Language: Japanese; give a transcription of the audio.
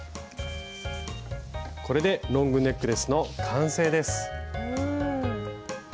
これでロングネックレスの完成です！